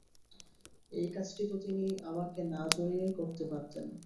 এই কাজটি তো তিনি আমাকে না-জড়িয়ে করতে পারতেন।